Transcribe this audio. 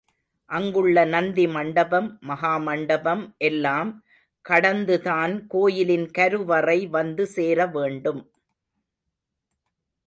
அங்குள்ள நந்தி மண்டபம், மகா மண்டபம் எல்லாம் கடந்துதான் கோயிலின் கருவறை வந்து சேரவேண்டும்.